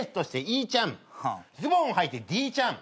ズボンをはいてＤちゃん。